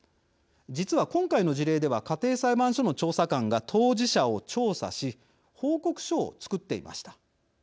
実は、今回の事例では家庭裁判所の調査官が当事者を調査し報告書を作っていました。